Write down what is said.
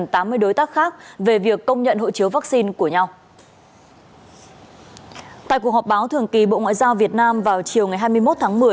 tại cuộc họp báo thường kỳ bộ ngoại giao việt nam vào chiều ngày hai mươi một tháng một mươi